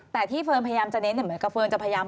แต่ที่เฟิร์นพยายามจะเน้นเหมือนกับเฟิร์น